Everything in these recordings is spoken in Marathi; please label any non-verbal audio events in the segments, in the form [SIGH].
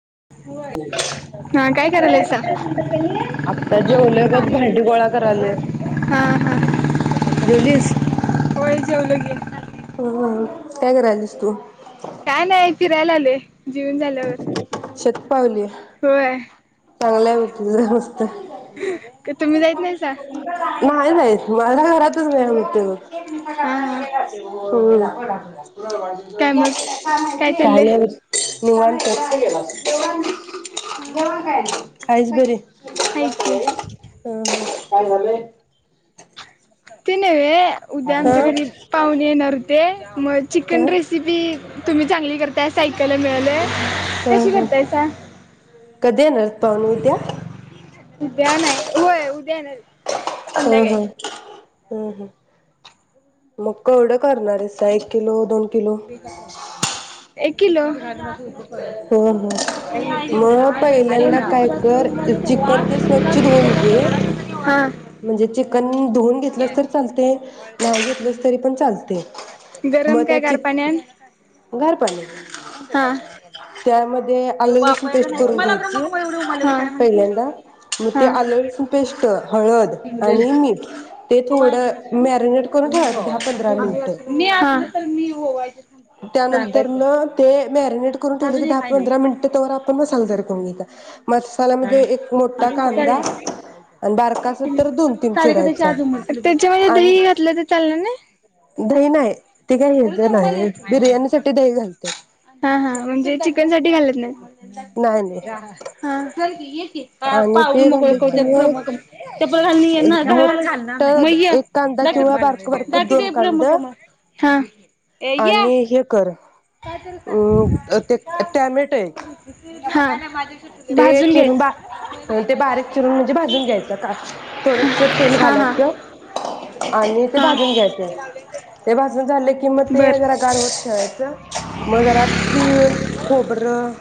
[UNINTELLIGIBLE] हा काय करायलायसा? आता जोवलो यत भांडी गोळा करालोय. हा हा. जेवलिस? होय जेवलोकी. हं-हं-हं, काय करालीस तु? काय नाय फिरायला आलोय. जेवण झाल्यावर. शेत पावली होय, चांगलं आहे बघ तुझं मस्त का तुम्ही जाईत नाहीसा. नाही-नाही, माझ्या घरातच वेळ मिळतोय बघ. हा हा हम काय मग काय चाललंय? [UNINTELLIGIBLE] निवांतच. हा हाईस बरी? हाय की. हं-हं काय झालय? ते नवे उद्या हा आमच्या घरी पाहुणे येणार होते. मग हा हा चिकन रेसिपी तुम्ही चांगली करताय अस ऐकायला मिळालंय. हा कशी हा. करतायसा? कधी येणार आहेत पाहुणे उद्या उद्या नाही, होय उद्या येणारीत. हं-हं हं-हं, मग केवढं करणारीसा एक किलो दोन किलो बे कटव एक किलो हं-हं, म पहिल्यांदा काय कर, चिकन ते स्वच्छ धुऊन घे हा. म्हणजे चिकन न् धुऊन घेतलंस तरी चालतंय, नाय घेतलस तरी पण चालतंय. मग गरम काय त्याची गार पाण्यान? गार पाणी. हां त्यामध्ये आलं लसुण पेस्ट करून मला गरम घ्यायची नको एवढं उमाले काय माहिती. पहिल्यांदा, म ती आलं लसुण पेस्ट हळ ळद आणि मीठ ते थोडं मॅरीनेट करून ठेवायचं दहा पंधरा मिनटं, मी असलं तर मी ओवायचे थांबते. सांगायचं त्यानंतरनं कोणाला? ते मॅरीनेट आता ठेवलं की अजून दहा पंधरा मिनिट तोवर आपण मसाला तयार कर [UNINTELLIGIBLE] मोठा कांदा आणि बारका असल तर दोन तीन चिरायचा त्यांच्यामध्ये आणि दही घातलं तर चालणार नाई? दही नाही ते काय हेज नाही बिर्याणीसाठी दही घालत्यात. हां-हां म्हणजे चिकन साठी घालत नाई? नाय नई या हां यय की ये की अ आणि पाऊल ते मोकळे झाले कि करतेत ब्राह् तेन मग चपल घालून ये ना मो धाळाव चप्पल चालणार ठ नाही म ये. एक कांदा तद किंवा बारक घालवलय बारक दाखवतो दोन य कांद ब्रम्हकमळ हां. ए या आणि हे कर अ ते टॅमॅटो एक [UNINTELLIGIBLE] हा [UNINTELLIGIBLE] ते चिरून बा अं ते बारीक चिरून म्हणजे भाजून घ्यायचं का. थोडस तेल हा हा घालायचं आणि ते हा भाजून घ्यायचं. ते भाजून झालं की मग ते बर जरा गार होत ठेवायचं. म जरा तीळ खोबरं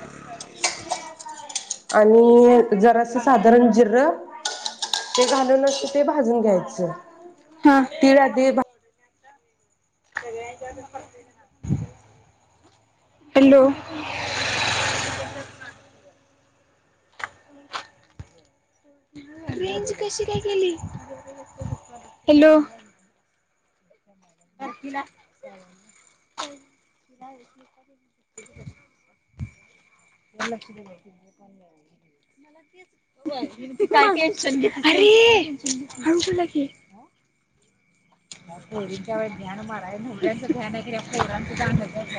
आणि य जरासं साधारण जीरं [UNINTELLIGIBLE] ते घालून असं ते भाजून घ्यायचं. हा तीळ आधी भा [UNINTELLIGIBLE] रेंज कशी काय गेली हॅलो. अरे हळू बोलाकी. [UNINTELLIGIBLE]